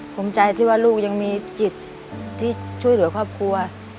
ภูมิใจที่ว่าลูกยังมีจิตที่ช่วยเหลือครอบครัว